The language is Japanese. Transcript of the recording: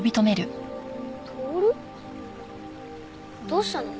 どうしたの？